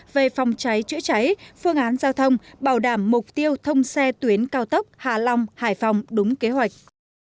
về phòng cháy chữa cháy phương án giao thông bảo đảm mục tiêu thông xe tuyến cao tốc hà long hải phòng đúng kế hoạch